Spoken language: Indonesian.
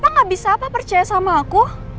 emang sulit ya buat percaya sama kata kata aku